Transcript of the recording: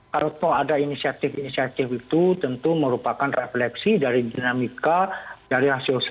kalau ada inisiatif inisiatif itu tentu merupakan refleksi dari dinamika dari hasil survei